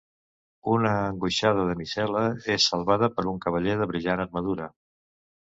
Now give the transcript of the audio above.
Una angoixada damisel·la és salvada per un cavaller de brillant armadura.